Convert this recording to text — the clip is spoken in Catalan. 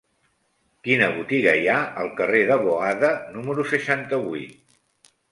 Quina botiga hi ha al carrer de Boada número seixanta-vuit?